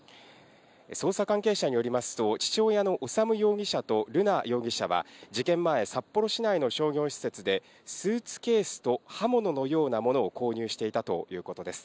捜査関係者によりますと、父親の修容疑者と瑠奈容疑者は、事件前、札幌市内の商業施設で、スーツケースと刃物のようなものを購入していたということです。